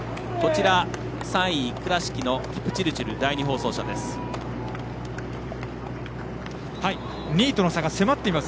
３位、倉敷のキプチルチル第２放送車です。